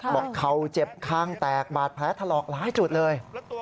บอกเขาเจ็บคลางแตกบาดแพ้ทะลอกล้ายจุดเลย